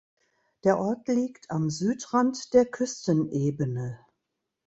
Der Ort liegt am Südrand der Küstenebene.